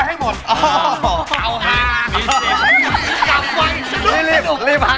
เอามา